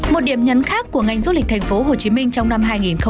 một điểm nhấn khác của ngành du lịch thành phố hồ chí minh trong năm hai nghìn hai mươi một